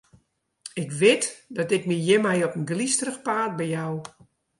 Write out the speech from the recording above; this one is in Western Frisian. Ik wit dat ik my hjirmei op in glysterich paad bejou.